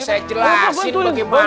saya jelasin bagaimana